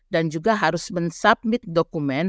dan juga harus men submit dokumen